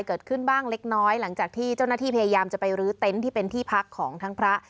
เกิดขึ้นบ้างเล็กน้อยหลังจากที่เจ้าหน้าที่พยายามจะไปรื้อเต็นต์ที่เป็นที่พักของทั้งพระ